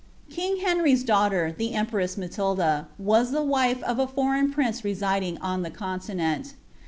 King Henry ^8 daughter, the empress Matilda,^ was the wife of a foreign prince residing on the Continent.